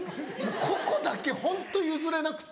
ここだけホント譲れなくて。